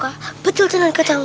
pejol pejol jangan kejar